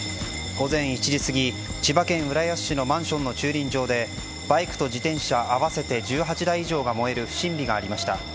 午前１時すぎ千葉県浦安市のマンションの駐輪場でバイクと自転車合わせて１８台以上が燃える不審火がありました。